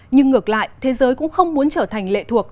nhưng ngược lại thế giới cũng không muốn trở thành lệ thuộc